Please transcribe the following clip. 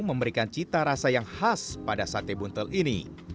memberikan cita rasa yang khas pada sate buntel ini